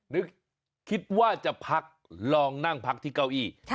นึกคิดว่าจะพักลองนั่งพักที่เก้าอี้